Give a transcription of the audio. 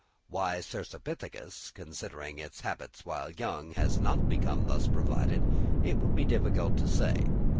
Why Cercopithecus, considering its habits while young, has not become thus provided, it would be difficult to say.